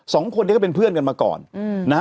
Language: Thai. สองคนนี้คือเป็นเพื่อนมาก่อน